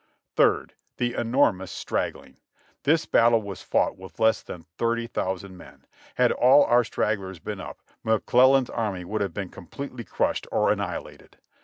"3rd. The enormous straggling. This battle was fought with less than thirty thousand men. Had all our stragglers been up, McClellan's army would have been completel}^ crushed or anni hilated.